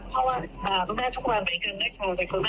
เพราะว่าอาบแม่ทุกวันไปเกินได้ข่าว